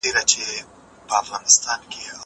زه به سبا بوټونه پاک کړم!